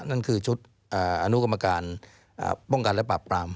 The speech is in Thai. นั่นคือชุดอนุกรรมการป้องกันและปรับปราม